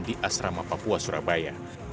di asrama papua surabaya